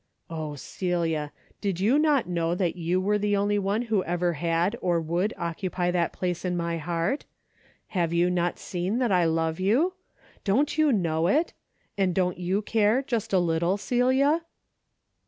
" Oh, Celia, did 3^ou not know that you were the only one who ever had or would occupy that place in my heart ? Have you not seen that I love you ? Don't you know it ? and don't you care, just a little, Celia